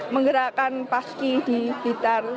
menggerakkan paski di bitar